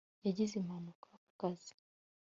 yagize impanuka ku kazi